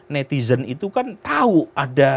netizen itu kan tahu ada